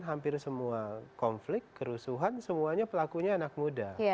hampir semua konflik kerusuhan semuanya pelakunya anak muda